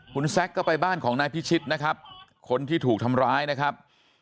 คุณแซคก็ไปบ้านของนายพิชิตนะครับคนที่ถูกทำร้ายนะครับ